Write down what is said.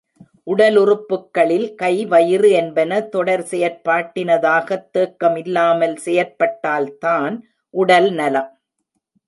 உடலுறுப்புக்களில் கை, வயிறு என்பன தொடர் செயற்பாட்டினதாகத் தேக்கமில்லாமல் செயற் பட்டால்தான் உடல் நலம்.